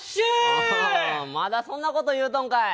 おおまだそんなこと言うとんかい！